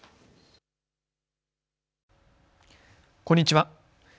こんにちは。